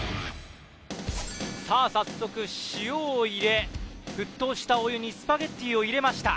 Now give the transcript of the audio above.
さあ早速塩を入れ沸騰したお湯にスパゲティを入れました